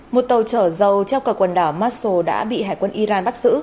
một tàu trở dâu treo cài quần đảo masul đã bị hải quân iran bắt giữ